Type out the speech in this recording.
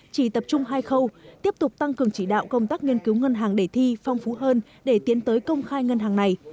chỉ tập trung hai khâu tiếp tục tăng cường chỉ đạo công tác nghiên cứu ngân hàng để thi phong phú hơn để tiến tới công khai ngân hàng này